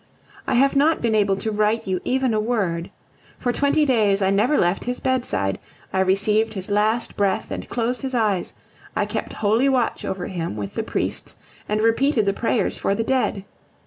I have not been able to write you even a word. For twenty days I never left his bedside; I received his last breath and closed his eyes; I kept holy watch over him with the priests and repeated the prayers for the dead.